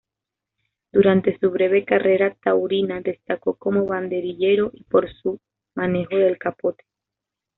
Durante su breve carrera taurina destacó como banderillero y por su manejo del capote.